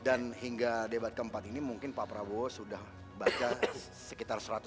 dan hingga debat keempat ini mungkin pak prabowo sudah baca sekitar seratus buku lah